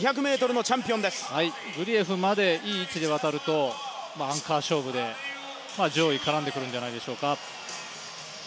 グリエフまでいい位置で渡るとアンカー勝負で上位に絡んでくるんじゃないでしょうか。